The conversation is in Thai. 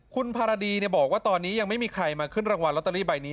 คุณภารดีบอกว่าตอนนี้ยังไม่มีใครมาขึ้นรางวัลลอตเตอรี่ใบนี้